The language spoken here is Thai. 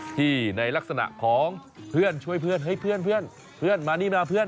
ที่ในลักษณะของเพื่อนช่วยเพื่อนเฮ้ยเพื่อนเพื่อนมานี่มาเพื่อน